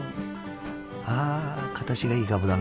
ああ形がいいかぶだな。